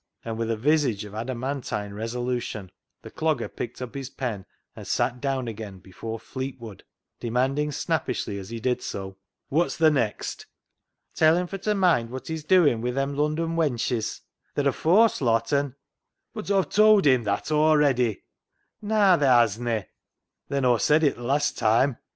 And with a visage of adamantine resolu tion, the Clogger picked up his pen and sat down again before " Fleetwood," demanding snappishly as he did so —" Wot's th' next ?"" Tell him fur t' moind wot he's doin' wi' them Lundon wenches. They're a fawse lot, an' "—" But Aw've towd him that awready." " Naa, thaa hezna." " Then Aw said it th' last toime."